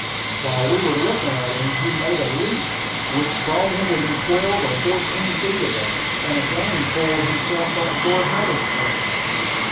While we were looking at him he made a leap which brought him within twelve or fourteen feet of us, and again coiled himself up for another spring.